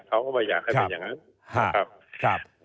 เขาก็ไม่อยากให้เป็นอย่างนั้นนะครับ